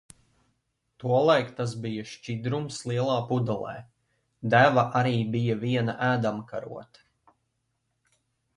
Tolaik tas bija šķidrums lielā pudelē. Deva arī bija viena ēdamkarote.